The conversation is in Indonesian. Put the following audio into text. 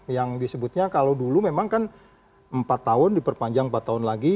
yang disebutnya kalau dulu memang kan empat tahun diperpanjang empat tahun lagi